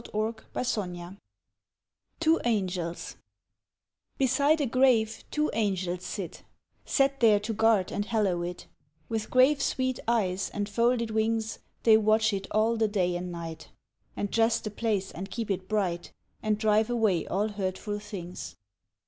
TWO ANGELS 29 TWO ANGELS BESIDE a grave two Angels sit, Set there to guard and hallow it ; With grave sweet eyes and folded wings They watch it all the day and night, And dress the place and keep it bright, And drive away all hurtful things.